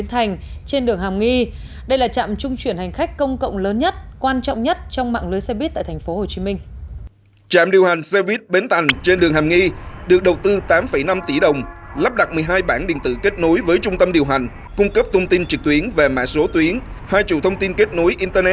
hãy đăng ký kênh để ủng hộ kênh của chúng mình nhé